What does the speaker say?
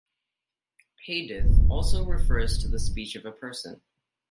"Hadith" also refers to the speech of a person.